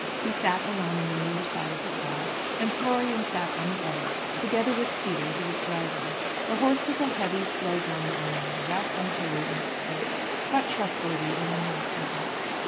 He sat alone on the near side of the car, and Florian sat on the other, together with Peter who was driving. The horse was a heavy, slow going animal, rough and hairy in its coat, but trustworthy and an old servant.